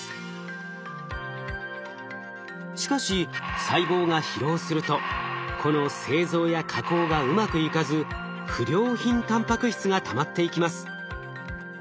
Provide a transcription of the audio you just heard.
しかし細胞が疲労するとこの製造や加工がうまくいかず不良品タンパク質がたまっていきます。